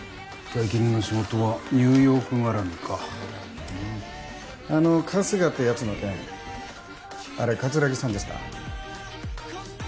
最近の仕事はニューヨークがらみかあの春日ってやつの件あれ桂木さんですか？